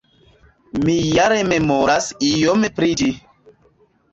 Mi ja rememoras iom pri ĝi.